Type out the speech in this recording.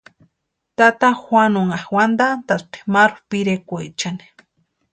Tata Juanunha úantaspti maru pirekwaechani.